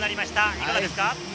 いかがですか？